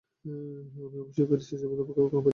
আমি অবশ্য প্যারিসে যাব, তবে কবে জানি না।